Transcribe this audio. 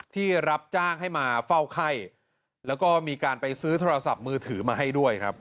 ที่รับจ้างให้มาเฝ้าไข้แล้วก็มีการไปซื้อโทรศัพท์มือถือมาให้ด้วยครับ